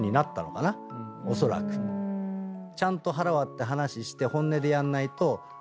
おそらく。ちゃんと腹割って話をして本音でやんないと。